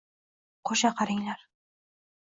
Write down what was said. Qo‘sha qaringlar.